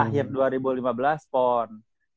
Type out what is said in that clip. jadi akhir dua ribu lima belas pon